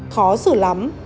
khó xử lắm